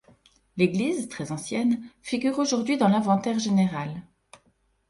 L'église, très ancienne, figure aujourd'hui dans l'inventaire général.